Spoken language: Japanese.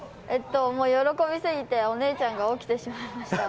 喜びすぎて、お姉ちゃんが起きてしまいました。